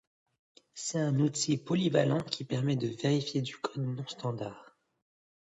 C'est un outil polyvalent qui permet de vérifier du code non standard.